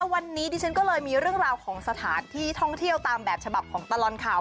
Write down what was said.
วันนี้ดิฉันก็เลยมีเรื่องราวของสถานที่ท่องเที่ยวตามแบบฉบับของตลอดข่าว